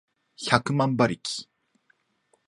百万馬力